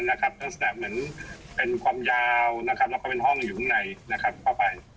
ลักษณะเหมือนเป็นความยาวแล้วก็เป็นห้องอยู่ข้างใน